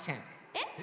えっ？